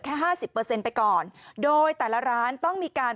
แค่๕๐ไปก่อนโดยแต่ละร้านต้องมีการ